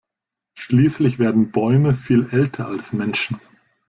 Schließlich werden Bäume viel älter als Menschen.